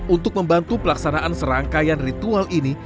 untuk membantu pelaksanaan serangkaian ritual ini